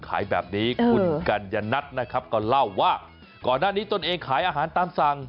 ขายแบบนี้คุณกัญญนัทนะครับก็เล่าว่าก่อนหน้านี้ตนเองขายอาหารตามสั่ง